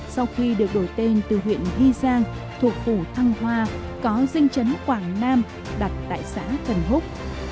sau khi được đổi tên từ huyện hy giang thuộc phủ thăng hoa có dinh chấn quảng nam đặt tại xã cần húc